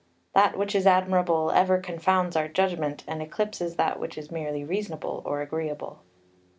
That which is admirable ever confounds our judgment, and eclipses that which is merely reasonable or agreeable.